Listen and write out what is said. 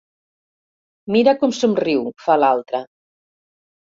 Mira com somriu, fa l'altra.